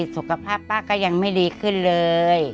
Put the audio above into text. สุขภาพป้าก็ยังไม่ดีขึ้นเลย